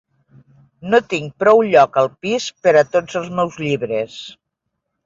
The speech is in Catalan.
No tinc prou lloc al pis per a tots els meus llibres.